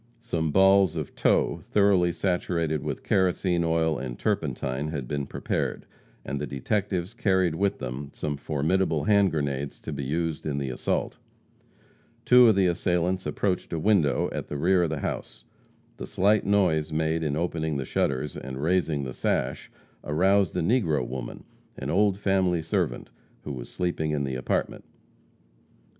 Some balls of tow thoroughly saturated with kerosene oil and turpentine had been prepared, and the detectives carried with them some formidable hand grenades to be used in the assault. Two of the assailants approached a window at the rear of the house. The slight noise made in opening the shutters and raising the sash aroused a negro woman, an old family servant, who was sleeping in the apartment.